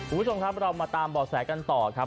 คุณผู้ชมครับเรามาตามบ่อแสกันต่อครับ